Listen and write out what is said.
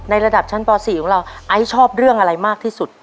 ระดับชั้นป๔ของเราไอซ์ชอบเรื่องอะไรมากที่สุด